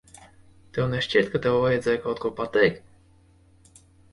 Tev nešķiet, ka tev vajadzēja kaut ko pateikt?